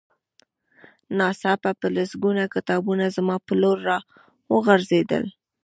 ناڅاپه په لسګونه کتابونه زما په لور را وغورځېدل